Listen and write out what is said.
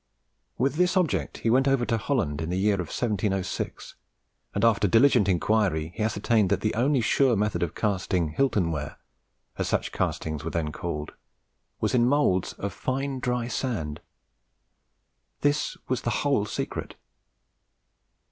With this object he went over to Holland in the year 1706, and after diligent inquiry he ascertained that the only sure method of casting "Hilton ware," as such castings were then called, was in moulds of fine dry sand. This was the whole secret.